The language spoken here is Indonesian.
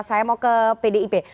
saya mau ke pdip